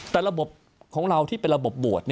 แต่ระบบของเราที่เป็นระบบบวช